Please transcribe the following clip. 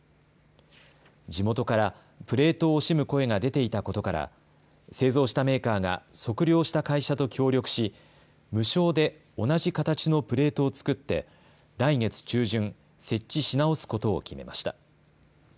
地元からプレートを惜しむ声が出ていたことから製造したメーカーが測量した会社と協力し、無償で同じ形のプレートを造って来月中旬設置し直すことを決めました。